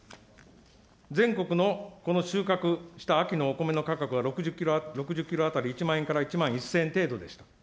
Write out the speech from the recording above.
全国のこの収穫した秋のお米の価格は６０キロ当たり１万円から１万１０００円程度でした。